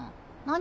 何？